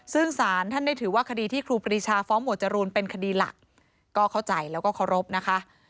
ซึ่งสารท่านได้ถือว่าคดีที่ครูปรีชาฟ้องหมวดจรูนเป็นคดีหลักก็เข้าใจแล้วก็เคารพนะคะ